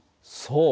そう。